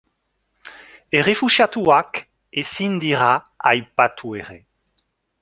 Errefuxiatuak ezin dira aipatu ere.